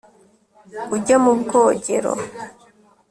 ujye mu bwogero